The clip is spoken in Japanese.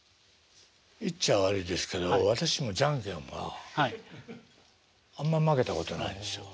言っちゃ悪いですけど私もじゃんけんはあんま負けたことないんですよ。